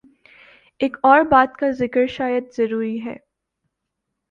ایک اور بات کا ذکر شاید ضروری ہے۔